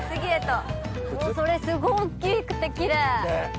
それすごい大っきくてキレイ。